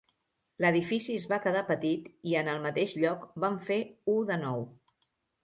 L'edifici es va quedar petit i en el mateix lloc van fer u de nou.